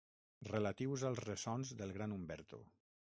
Relatius als ressons del gran Umberto.